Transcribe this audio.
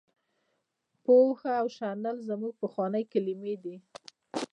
پوهه او شنل زموږ پخوانۍ کلمې دي.